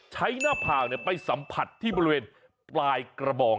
หน้าผากไปสัมผัสที่บริเวณปลายกระบอง